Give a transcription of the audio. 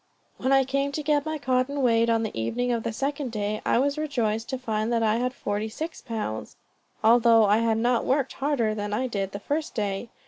When I came to get my cotton weighed, on the evening of the second day, I was rejoiced to find that I had forty six pounds, although I had not worked harder than I did the first day.